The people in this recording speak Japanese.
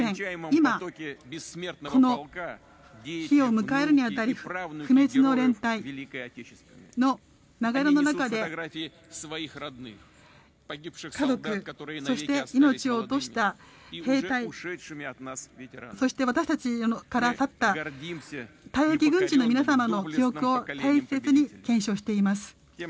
今、この日を迎えるに当たり不滅の連隊の流れの中で家族、そして命を落とした兵隊そして私たちから去った退役軍人の皆様の記憶を大切に顕彰しています。